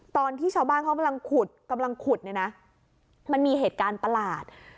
ตอนที่ชาวบ้านเขากำลังขุดกำลังขุดเนี่ยนะมันมีเหตุการณ์ประหลาด